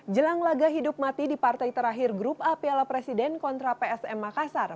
jelang laga hidup mati di partai terakhir grup a piala presiden kontra psm makassar